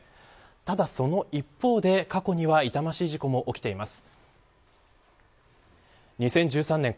ただその一方で、過去には痛ましい事故も起きています。